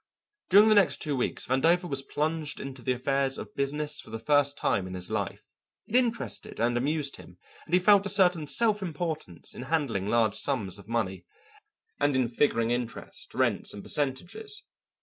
During the next two weeks Vandover was plunged into the affairs of business for the first time in his life. It interested and amused him, and he felt a certain self importance in handling large sums of money, and in figuring interest, rents, and percentages.